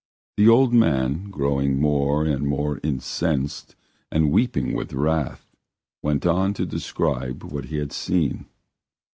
The old man, growing more and more incensed and weeping with wrath, went on to describe what he had seen.